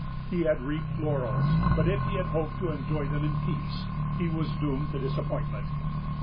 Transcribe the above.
He had reaped laurels; but if he hoped to enjoy them in peace, he was doomed to disappointment.